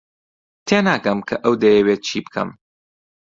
تێناگەم کە ئەو دەیەوێت چی بکەم.